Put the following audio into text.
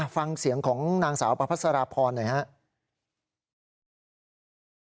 ฟังเสียงของนางสาวประพัสราพรหน่อยครับ